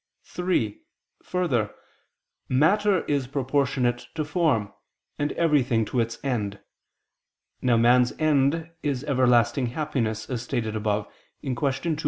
(3) Further, matter is proportionate to form, and everything to its end. Now man's end is everlasting happiness, as stated above (Q. 2, A.